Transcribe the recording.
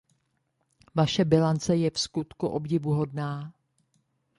Vaše bilance je vskutku obdivuhodná.